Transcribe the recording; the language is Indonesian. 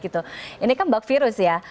ini kan bak virus ya